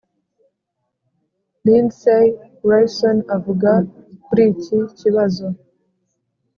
lindsay grayson avuga kuri iki kibazo